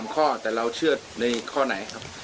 ข้อแต่เราเชื่อในข้อไหนครับ